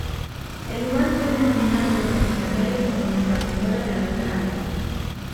El lugar fue denominado por los españoles como Nuestra Señora de la Esperanza.